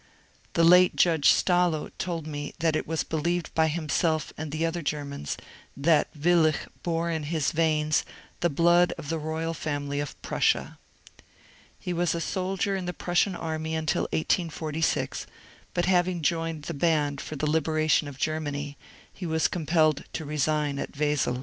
The late Judge Stallo told me that it was believed by himself and other Germans that Willich bore in his veins the blood of the royal family of Pmssia. He was a soldier in the Prussian army until 1846, but having joined the b^nd for the liberation of Germany, he was com pelled to resign at Wesel.